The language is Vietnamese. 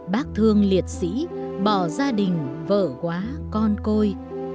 bác thương liệt sĩ bỏ gia đình vỡ quá con côi